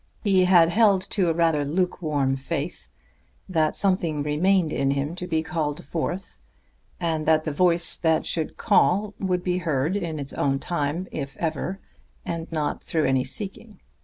He had held to a rather lukewarm faith that something remained in him to be called forth, and that the voice that should call would be heard in its own time, if ever, and not through any seeking.